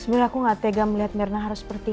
sebenernya aku gak tega melihat mirna harus seperti ini